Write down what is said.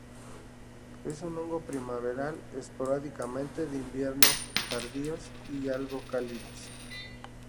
Es un hongo primaveral, esporádicamente de inviernos tardíos y algo cálidos.